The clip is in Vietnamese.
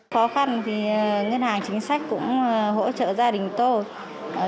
khó khăn thì ngân hàng chính sách cũng hỗ trợ gia đình tôi